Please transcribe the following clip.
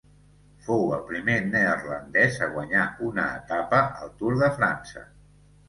Fou el primer neerlandès a guanyar una etapa al Tour de França.